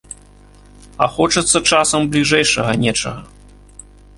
А хочацца часам бліжэйшага нечага.